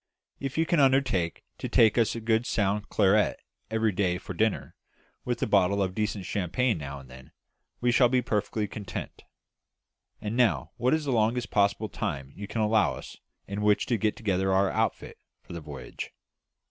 If you can undertake to give us a good sound claret every day for dinner, with a bottle of decent champagne now and then, we shall be perfectly content. And now, what is the longest possible time you can allow us in which to get together our outfit for the voyage?"